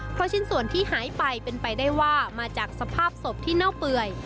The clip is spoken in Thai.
เพราะชิ้นส่วนที่หายไปเป็นไปได้ว่ามาจากสภาพศพที่เน่าเปื่อย